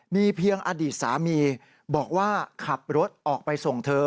มีเพียงอดีตสามีบอกว่าขับรถออกไปส่งเธอ